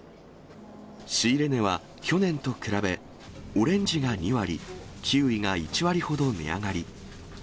仕入れ値は去年と比べ、オレンジが２割、キウイが１割ほど値上がり。